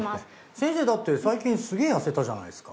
先生だって最近すげぇ痩せたじゃないですか。